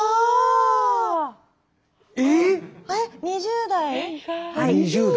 えっ２０代？